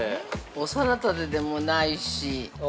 ◆お皿立てでもないし。